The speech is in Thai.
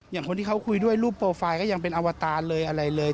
อย่างที่เขาคุยด้วยรูปโปรไฟล์ก็ยังเป็นอวตารเลยอะไรเลย